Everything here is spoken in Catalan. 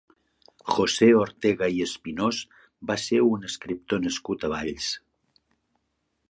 José Ortega i Espinós va ser un escriptor nascut a Valls.